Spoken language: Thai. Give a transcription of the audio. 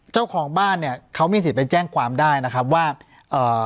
เจ้าของบ้านเนี้ยเขามีสิทธิ์ไปแจ้งความได้นะครับว่าเอ่อ